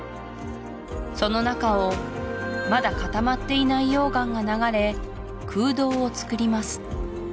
その中をまだ固まっていない溶岩が流れ空洞をつくります